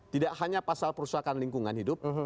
tidak hanya pasal perusahaan lingkungan hidup